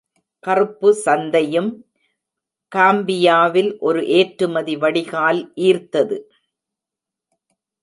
கறுப்பு சந்தையும் காம்பியாவில் ஒரு ஏற்றுமதி வடிகால் ஈர்த்தது.